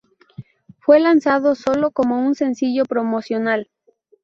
Fue lanzado sólo como un sencillo promocional.